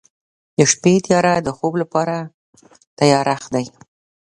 د شپې تیاره د خوب لپاره تیارښت دی.